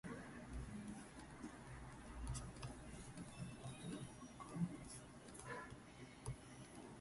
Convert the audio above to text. Skagen Township was named for Albert O. Skagen, a county official.